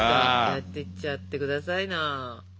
やっていっちゃってくださいな。